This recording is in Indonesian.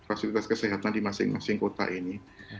fasilitas kesehatan di masing masing kota ini